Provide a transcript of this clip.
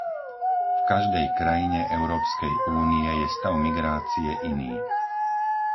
V každej krajine Európskej únie je stav migrácie iný.